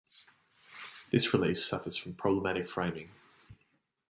This release suffers from problematic framing.